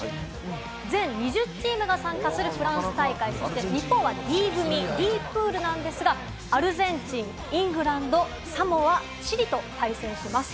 全２０チームが参加するフランス大会、日本はＤ組・Ｄプールなんですが、アルゼンチン、イングランド、サモア、チリと対戦します。